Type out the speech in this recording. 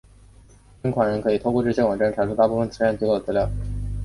捐款人可以透过这网站查出大部份慈善机构的资料。